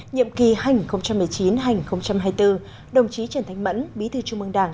nhiệm kỳ hai nghìn một mươi chín hai nghìn hai mươi bốn đồng chí trần thành mẫn bí thư trung mương đảng